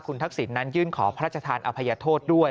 ทักษิณนั้นยื่นขอพระราชทานอภัยโทษด้วย